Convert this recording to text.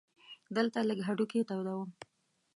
دلته لږ هډوکي تودوم.